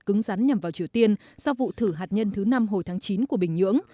cứng rắn nhằm vào triều tiên sau vụ thử hạt nhân thứ năm hồi tháng chín của bình nhưỡng